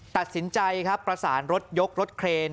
ตัดสินใจครับประสานรถยกรถเครน